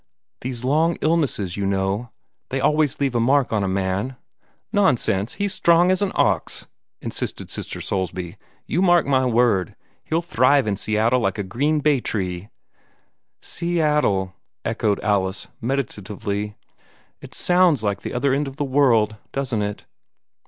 These long illnesses, you know, they always leave a mark on a man." "Nonsense! He's strong as an ox," insisted Sister Soulsby. "You mark my word, he'll thrive in Seattle like a green bay tree." "Seattle!" echoed Alice, meditatively. "It sounds like the other end of the world, doesn't it?"